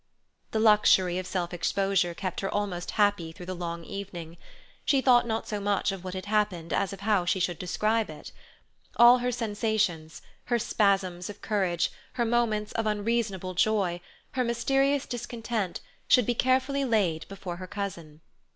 The luxury of self exposure kept her almost happy through the long evening. She thought not so much of what had happened as of how she should describe it. All her sensations, her spasms of courage, her moments of unreasonable joy, her mysterious discontent, should be carefully laid before her cousin.